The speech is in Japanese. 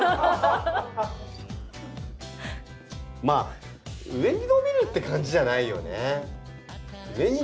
まあ上に伸びるって感じじゃないよね。